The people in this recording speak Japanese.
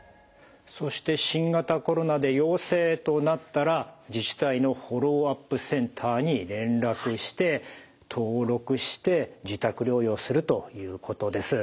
そして新型コロナで陽性となったら自治体のフォローアップセンターに連絡して登録して自宅療養するということです。